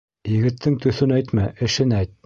Егеттең төҫөн әйтмә, эшен әйт.